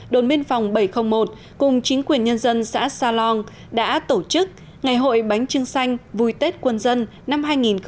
đồn biên phòng bảy trăm linh một cùng chính quyền nhân dân xã sa long đã tổ chức ngày hội bánh trưng xanh vui tết quân dân năm hai nghìn hai mươi